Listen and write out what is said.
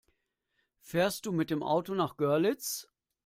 Fährst du mit dem Auto nach Görlitz?